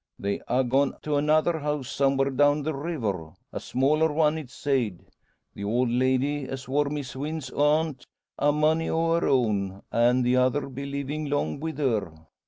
"They ha' gone to another house somewhere down the river a smaller one it's sayed. The old lady as wor Miss Wynn's aunt ha' money o' her own, an' the other be livin' 'long wi' her.